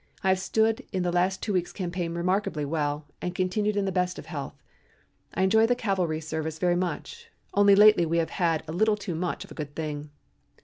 I have stood the last two weeks' campaign remarkably well and continue in the best of health. I enjoy the cavalry service very much, only lately we have had a little too much of a good thing.